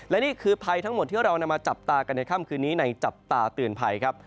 และนี่คือภัยทั้งหมดที่เรานำมาจับตากันในค่ำคืนนี้ในจับตาเตือนภัยครับ